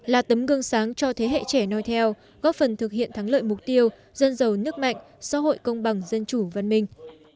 là tấm gương sáng cho thế hệ trẻ nói theo góp phần thực hiện thắng lợi mục tiêu dân giàu nước mạnh xã hội công bằng dân chủ văn minh